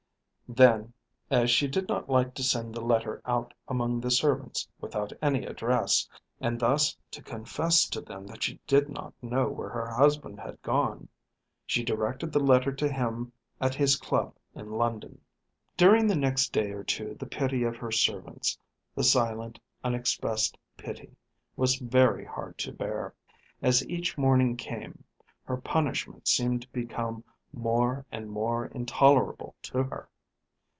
Then, as she did not like to send the letter out among the servants without any address, and thus to confess to them that she did not know where her husband had gone, she directed the letter to him at his club in London. During the next day or two the pity of her servants, the silent, unexpressed pity, was very hard to bear. As each morning came her punishment seemed to become more and more intolerable to her.